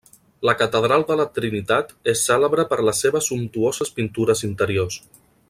La catedral de la Trinitat és cèlebre per les seves sumptuoses pintures interiors.